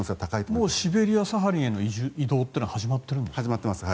もうシベリアサハリンへの移住は始まっているんですか？